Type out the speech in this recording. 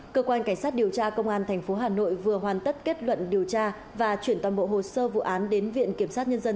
cơ quan cảnh sát điều tra công an tp hà nội vừa hoàn tất kết luận điều tra và chuyển toàn bộ hồ sơ vụ án đến viện kiểm sát nhân dân